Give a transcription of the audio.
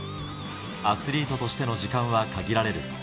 アスリートとしての時間は限られる。